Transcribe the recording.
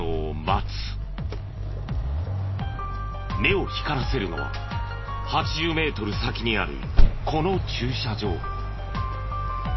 目を光らせるのは８０メートル先にあるこの駐車場。